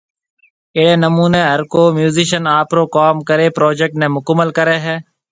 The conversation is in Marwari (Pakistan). اھڙي نموني ھرڪو ميوزشن آپرو ڪوم ڪري پروجيڪٽ ني مڪمل ڪري ھيَََ